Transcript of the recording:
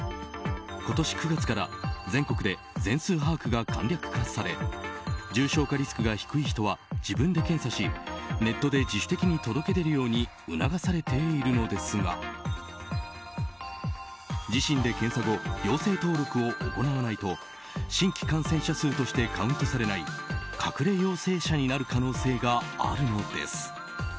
今年９月から全国で全数把握が簡略化され重症化リスクが低い人は自分で検査しネットで自主的に届け出るように促されているのですが自身で検査後陽性登録を行わないと新規感染者数としてカウントされない隠れ陽性者になる可能性があるのです。